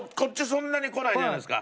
そんなにこないじゃないですか。